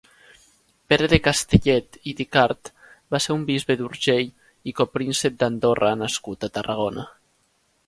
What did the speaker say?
Pere de Castellet i d'Icart va ser un bisbe d'Urgell i copríncep d'Andorra nascut a Tarragona.